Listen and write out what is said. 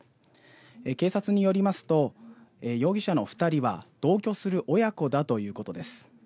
警察によりますと、容疑者の２人は同居する親子だということです。